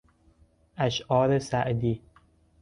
اشعار سعدی